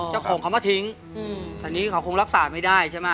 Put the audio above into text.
เหมือนกลัวถึงวันนี้คงรักษาไม่ได้